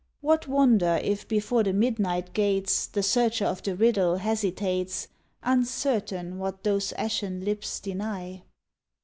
What wonder, if before the midnight gates The searcher of the riddle hesitates, Uncertain what those ashen lips deny?